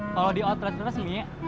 kalau di outlet resmi